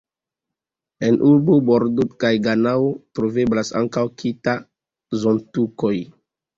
En Ebur-Bordo kaj Ganao troveblas ankaŭ "kita"-zontukoj.